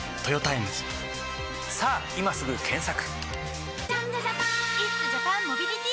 さぁ今すぐ検索！